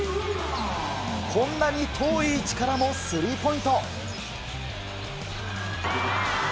こんなに遠い位置からもスリーポイント。